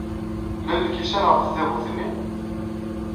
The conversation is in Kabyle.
Llan lkisan ɣef tdabut-nni?